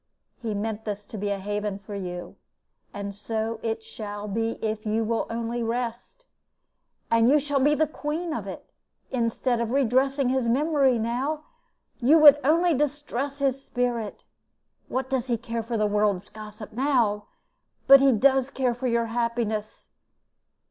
He meant this to be a haven for you; and so it shall be if you will only rest; and you shall be the queen of it. Instead of redressing his memory now, you would only distress his spirit. What does he care for the world's gossip now? But he does care for your happiness.